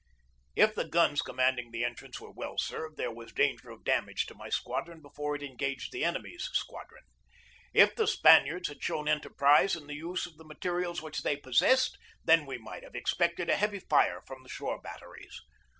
If the guns commanding the entrance were well served, there was danger of damage to my squadron before it engaged the enemy's squadron. If the Spaniards had shown enterprise in the use of the materials which they possessed, then we might have expected a heavy fire from the shore batteries.